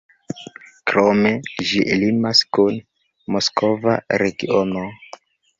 Krome, ĝi limas kun Moskva regiono.